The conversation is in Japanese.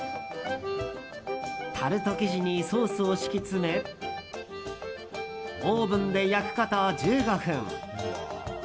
タルト生地にソースを敷き詰めオーブンで焼くこと１５分。